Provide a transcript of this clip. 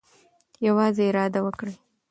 یوازې اراده وکړئ.